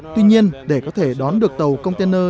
tuy nhiên để có thể đón được tàu container